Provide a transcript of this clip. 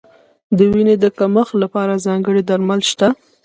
د وینې کمښت لپاره ځانګړي درمل شته.